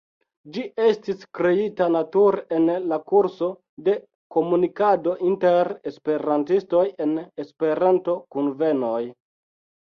Ĝi estis kreita nature en la kurso de komunikado inter Esperantistoj en Esperanto-kunvenoj.